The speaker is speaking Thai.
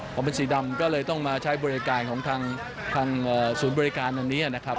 พอเป็นสีดำก็เลยต้องมาใช้บริการของทางศูนย์บริการตรงนี้นะครับ